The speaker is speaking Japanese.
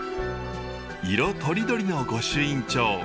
色とりどりの御朱印帳。